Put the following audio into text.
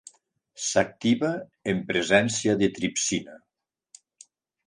S'activa en presència de tripsina.